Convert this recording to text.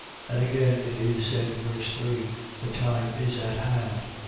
. .and again it is said, ver. 3, The time is at hand.